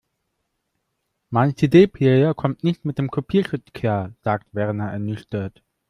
Mein CD-Player kommt nicht mit dem Kopierschutz klar, sagt Werner ernüchtert.